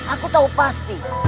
aku tahu pasti